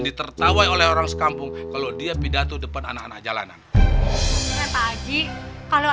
ditertawai oleh orang sekampung kalau dia pidato depan anak anak jalanan pagi kalau